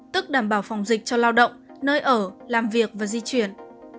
tức đảm bảo phòng dịch cho lao động nơi ở làm việc và di chuyển